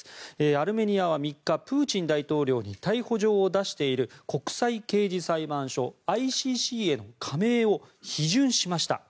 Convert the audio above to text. アルメニアは３日プーチン大統領に逮捕状を出している国際刑事裁判所・ＩＣＣへの加盟を批准しました。